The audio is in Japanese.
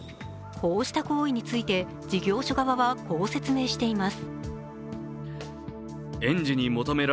こうした行為について事業所側はこう説明しています。